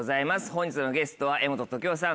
本日のゲストは柄本時生さん